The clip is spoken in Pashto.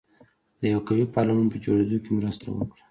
د یوه قوي پارلمان په جوړېدو کې مرسته وکړه.